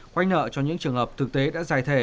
khoanh nợ cho những trường hợp thực tế đã giải thể